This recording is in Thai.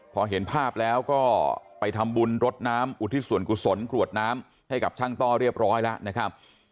พอเห็นภาพแล้วก็ไปทำบุญรดน้ำอุทิศส่วนกุศลกรวดน้ำให้กับช่างต้อเรียบร้อยแล้วนะครับ